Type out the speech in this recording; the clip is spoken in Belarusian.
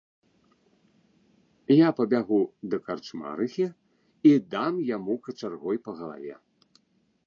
Я пабягу да карчмарыхі і дам яму качаргой па галаве!